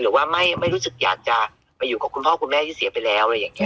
หรือว่าไม่รู้สึกอยากจะไปอยู่กับคุณพ่อคุณแม่ที่เสียไปแล้วอะไรอย่างนี้